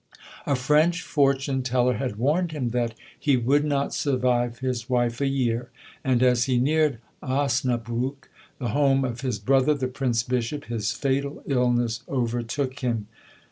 A French fortune teller had warned him that "he would not survive his wife a year"; and, as he neared Osnabrück, the home of his brother, the Prince Bishop, his fatal illness overtook him.